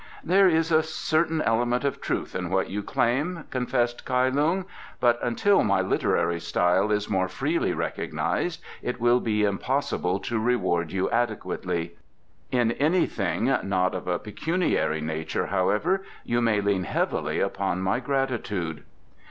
"There is a certain element of truth in what you claim," confessed Kai Lung, "but until my literary style is more freely recognized it will be impossible to reward you adequately. In anything not of a pecuniary nature, however, you may lean heavily upon my gratitude."